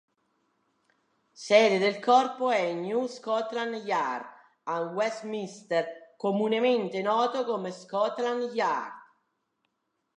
Sede del corpo è New Scotland Yard, a Westminster, comunemente noto come "Scotland Yard".